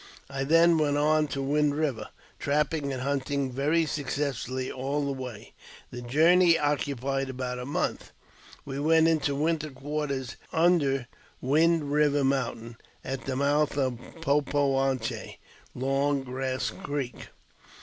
I then went on to Wind Eiver, trapping and hunting very successfully all the way, the journey occupying about a month. We went into winter quarters under Wind Eiver Mountain, at the mouth of Po po ^ on che (Long Grass Creek).